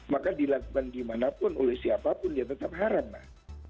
maka dilakukan dimanapun oleh siapapun ya tetap haram mbak